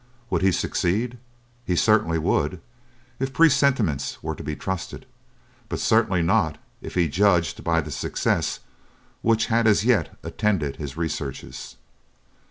Would he succeed? He certainly would, if presentiments were to be trusted; but certainly not, if he judged by the success which had as yet attended his researches.